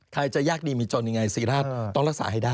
จะยากดีมีจนยังไงศรีราชต้องรักษาให้ได้